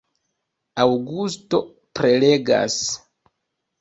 Aŭgusto prelegas.